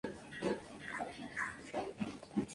Records y DreamWorks.